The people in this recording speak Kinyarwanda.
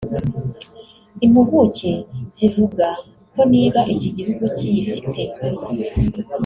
Impuguke zivuga ko niba iki gihugu kiyifite